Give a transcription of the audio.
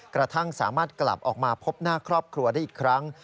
กระทั่งสามารถกลับออกมาพบหน้าครอบครัวได้อีกครั้ง